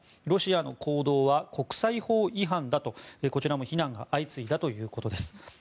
ロシアの行動は国際法違反だと、こちらも非難が相次いだということです。